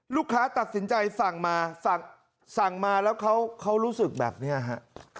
ลูกค้าตัดสินใจสั่งมาสั่งมาแล้วเขารู้สึกแบบนี้ฮะ